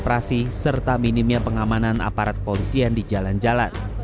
operasi serta minimnya pengamanan aparat polisian di jalan jalan